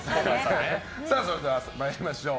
それでは参りましょう。